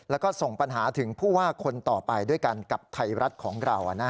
แล้วก็ส่งปัญหาถึงผู้ว่าคนต่อไปด้วยกันกับไทยรัฐของเรา